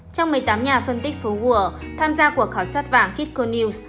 trong một mươi tám nhà phân tích phố gùa tham gia cuộc khảo sát vàng kitco news